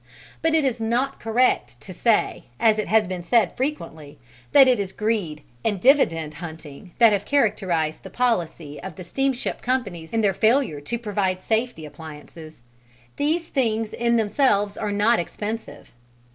But it is not correct to say, as has been said frequently, that it is greed and dividend hunting that have characterized the policy of the steamship companies in their failure to provide safety appliances: these things in themselves are not expensive.